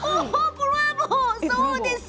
ブラボー、そうです。